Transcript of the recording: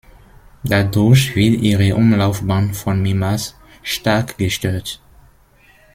Dadurch wird ihre Umlaufbahn von Mimas stark gestört.